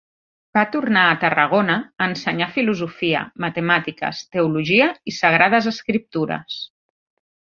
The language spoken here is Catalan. Va tornar a Tarragona a ensenyar filosofia, matemàtiques, teologia i sagrades escriptures.